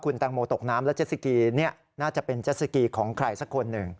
น่าจะเป็นเจสสกีของใครสักคนหนึ่ง